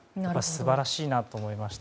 素晴らしいなと思いました。